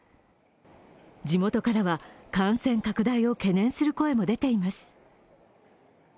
地元からは感染拡大を懸念する声が出ています。